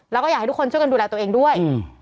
แล้วก็อยากให้ทุกคนช่วยกันดูแลตัวเองด้วย